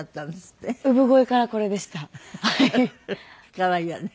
可愛いわね。